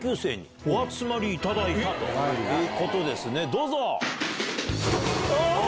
どうぞ！